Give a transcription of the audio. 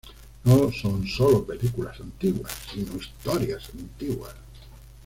No son solo películas antiguas, sino historias antiguas.